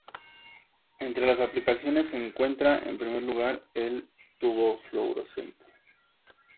Entre las aplicaciones se encuentra en primer lugar el Tubo fluorescente.